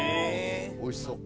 おいしそう。